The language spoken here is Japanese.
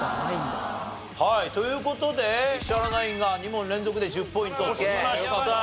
という事で石原ナインが２問連続で１０ポイントを取りました。